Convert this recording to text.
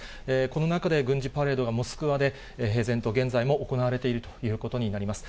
この中で軍事パレードが、モスクワで平然と、現在も行われているということになります。